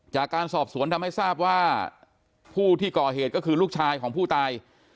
จากการสอบสวนทำให้ทราบว่าผู้ที่ก่อเหตุก็คือลูกชายของผู้ตาย